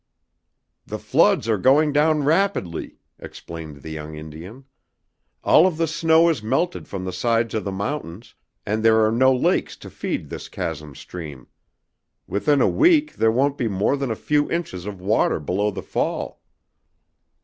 "The floods are going down rapidly," explained the young Indian. "All of the snow is melted from the sides of the mountains, and there are no lakes to feed this chasm stream. Within a week there won't be more than a few inches of water below the fall."